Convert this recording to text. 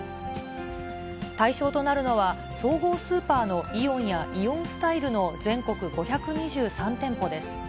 対象となるのは、総合スーパーのイオンや、イオンスタイルの全国５２３店舗です。